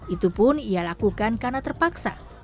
itu pun ia lakukan karena terpaksa